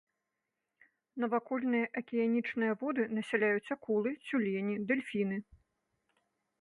Навакольныя акіянічныя воды насяляюць акулы, цюлені, дэльфіны.